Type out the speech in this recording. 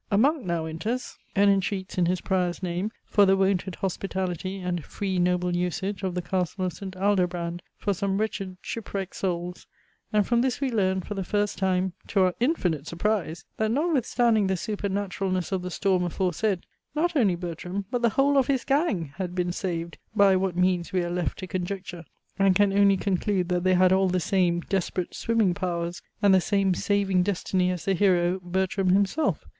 A Monk now enters, and entreats in his Prior's name for the wonted hospitality, and "free noble usage" of the Castle of St. Aldobrand for some wretched shipwrecked souls, and from this we learn, for the first time, to our infinite surprise, that notwithstanding the supernaturalness of the storm aforesaid, not only Bertram, but the whole of his gang, had been saved, by what means we are left to conjecture, and can only conclude that they had all the same desperate swimming powers, and the same saving destiny as the hero, Bertram himself.